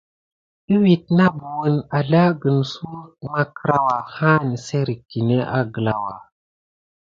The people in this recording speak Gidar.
Iwid na buhən azlagən suwek makkrawa ha nəsserik kiné aglawa.